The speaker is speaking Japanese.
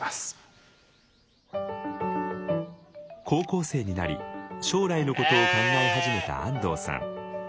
高校生になり将来のことを考え始めた安藤さん。